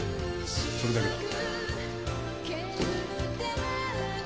それだけだ。